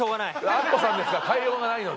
アッコさんですから変えようがないので。